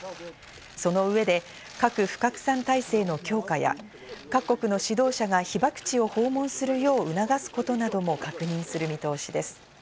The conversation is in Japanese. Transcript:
その上で、核不拡散体制の強化や各国の指導者が被爆地を訪問するよう促すことなども確認する見通しです。